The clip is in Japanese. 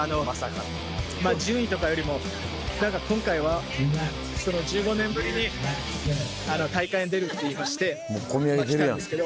順位とかよりも何か今回は１５年ぶりに大会に出るって言いまして来たんですけど。